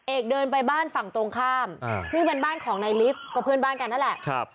เอกเดินไปบ้านฝั่งตรงข้ามซึ่งเป็นบ้านของนายลิฟต์ก็เพื่อนบ้านกันนั่นแหละ